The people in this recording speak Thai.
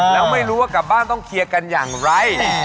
แล้วไม่รู้ว่ากลับบ้านต้องเคลียร์กันอย่างไร